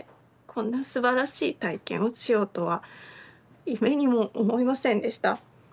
こんなすばらしい体験をしようとは夢にも思いませんでした